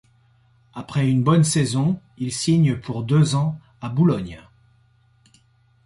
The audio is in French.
Après un bonne saison, il signe pour deux ans à Boulogne.